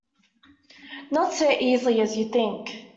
Not so easily as you think.